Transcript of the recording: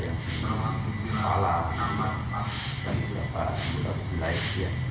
yang di kepala nama dan itu apa yang berapa yang lain